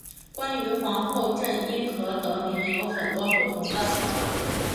关于皇后镇因何得名有很多不同的说法。